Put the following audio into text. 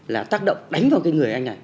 là tác động đánh vào cái người anh này